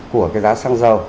của cái giá xăng dầu